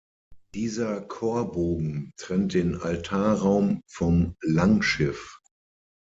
Dieser Chorbogen trennt den Altarraum vom Langschiff.